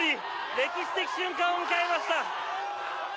歴史的瞬間を迎えました！